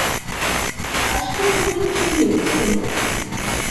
А што ж ён учыніў, кумок?